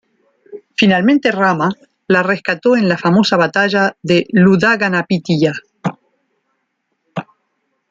Finalmente Rama la rescató en la famosa batalla de Iudha-ganapitiya.